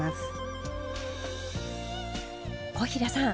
小平さん！